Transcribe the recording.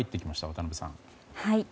渡辺さん。